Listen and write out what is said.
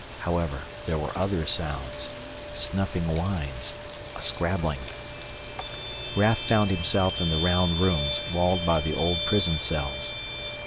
However there were other sounds snuffing whines a scrabbling Raf found himself in the round room walled by the old prison cells.